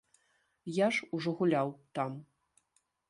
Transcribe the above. Я ж ужо гуляў там.